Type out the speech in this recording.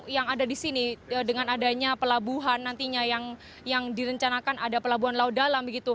yang ada di sini dengan adanya pelabuhan nantinya yang direncanakan ada pelabuhan laut dalam